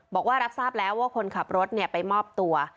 บอกว่ารับทราบแล้วว่าคนขับรถไปมอบตัว